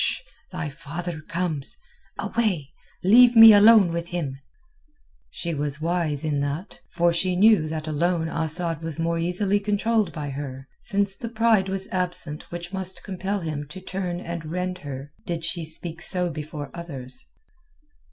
Sh! Thy father comes. Away! Leave me alone with him." She was wise in that, for she knew that alone Asad was more easily controlled by her, since the pride was absent which must compel him to turn and rend her did she speak so before others.